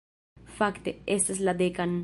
Fakte, estas la dekan...